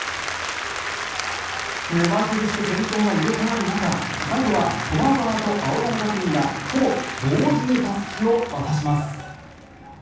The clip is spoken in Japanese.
目まぐるしく先頭が入れ替わる中最後は駒澤と青山学院がほぼ同時にたすきを渡します。